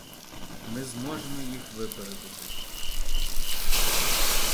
Ми зможемо їх випередити.